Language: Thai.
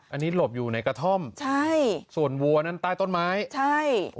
อันนี้หลบอยู่ในกระท่อมใช่ส่วนวัวนั้นใต้ต้นไม้ใช่